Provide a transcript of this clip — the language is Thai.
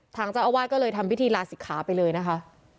ทางเจ้าอาวาสก็เลยทำพิธีลาศิกขาไปเลยนะคะ